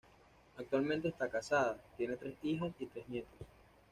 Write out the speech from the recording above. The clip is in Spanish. Actualmente está casada, tiene tres hijas y tres nietos.